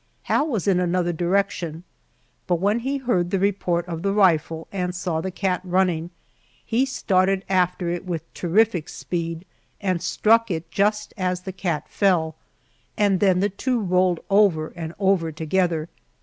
Hal was in another direction, but when he heard the report of the rifle and saw the cat running, he started after it with terrific speed and struck it just as the cat fell, and then the two rolled over and over together.